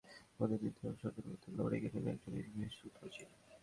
এমন নখদন্তহীন পারফরম্যান্সের মধ্যে নিধিরাম সর্দারের মতো লড়ে গেলেন একজনই—মেসুত ওজিল।